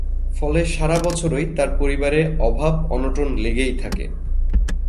ফলে সারা বছরই তার পরিবারে অভাব অনটন লেগেই থাকে।